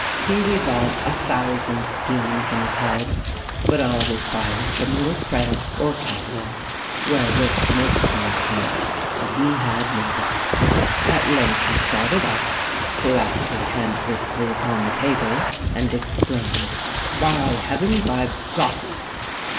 He revolved a thousand schemes in his head; but all required some little credit or capital wherewith to make a commencement; and he had neither. At length he started up, slapped his hand briskly upon the table, and exclaimed, 'By heavens, I've got it!'